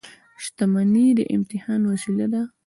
• شتمني د امتحان وسیله ده.